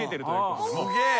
すげえ。